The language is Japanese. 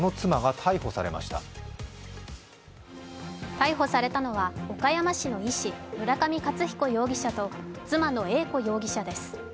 逮捕されたのは岡山市の医師、村上勝彦容疑者と妻の英子容疑者です。